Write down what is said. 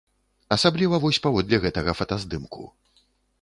Асабліва вось паводле гэтага фатаздымку.